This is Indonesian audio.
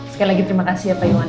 sekali lagi terima kasih ya pak iwan